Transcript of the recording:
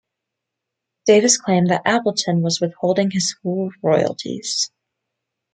Davis claimed that Appleton was withholding his full royalties.